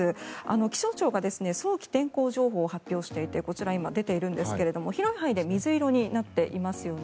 気象庁が早期天候情報を発表していてこちら、出ているんですけども広い範囲で水色になっていますよね。